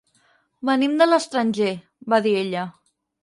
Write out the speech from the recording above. Venim de l'estranger —va dir ella.